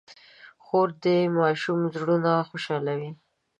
خور د ماشومانو زړونه خوشحالوي.